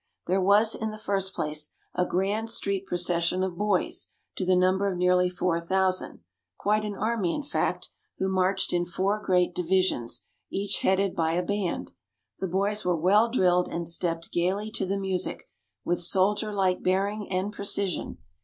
There was, in the first place, a grand street procession of boys, to the number of nearly four thousand quite an army, in fact who marched in four great divisions, each headed by a band. The boys were well drilled, and stepped gayly to the music, with soldier like bearing and precision.